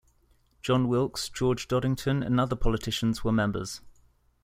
John Wilkes, George Dodington and other politicians were members.